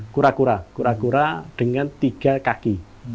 kura kura dengan tiga kaki